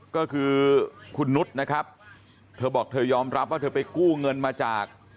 ก็คือคุณนุษย์นะครับเธอบอกเธอยอมรับว่าเธอไปกู้เงินมาจาก